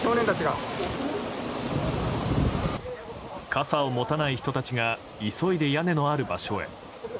傘を持たない人たちが急いで屋根のある場所へ。